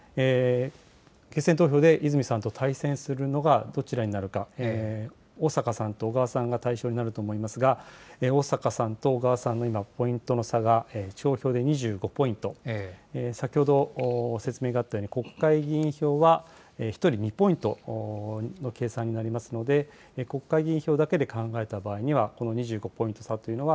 決選投票で泉さんと対戦するのがどちらになるか、逢坂さんと小川さんが対象になると思いますが、逢坂さんと小川さんの今、ポイントの差が地方票で２５ポイント、先ほど説明があったように、国会議員票は１人２ポイントの計算になりますので、国会議員票だけで考えた場合には、この２５ポイント差というのは、